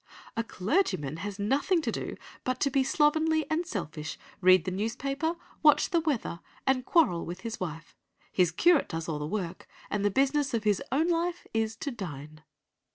A clergyman has nothing to do but to be slovenly and selfish, read the newspaper, watch the weather, and quarrel with his wife. His curate does all the work, and the business of his own life is to dine.